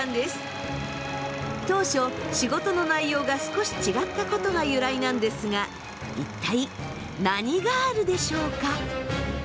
当初仕事の内容が少し違ったことが由来なんですが一体何ガールでしょうか？